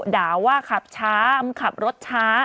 ด่าว่าขับช้าขับรถช้า